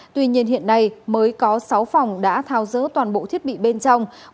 tuy nhiên hiện nay mới có sáu phòng đã thao dỡ toàn bộ thiết bị bên trong